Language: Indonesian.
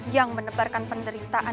yang menebarkan penderitaan